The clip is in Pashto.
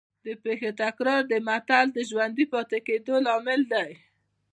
د پېښو تکرار د متل د ژوندي پاتې کېدو لامل دی